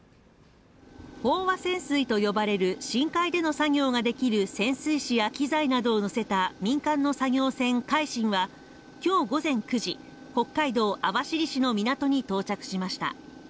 飽和潜水と呼ばれる深海での作業ができる潜水士や機材などをのせた民間の作業船「海進」は今日午前９時、北海道網走市の港に到着しました。